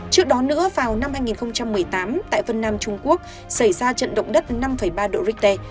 trước đó nữa vào năm hai nghìn một mươi tám tại vân nam trung quốc xảy ra trận động đất năm ba độ richter